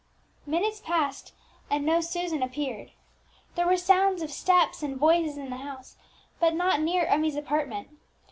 Minutes passed, and no Susan appeared. There were sounds of steps and voices in the house, but not near Emmie's apartment.